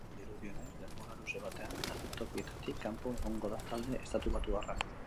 Dirudienez denbora luze batean agertokietatik kanpo egongo da talde estatubatuarra.